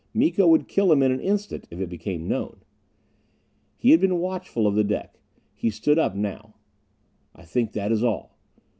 Miko would kill him in an instant if it became known. He had been watchful of the deck. He stood up now. "I think that is all."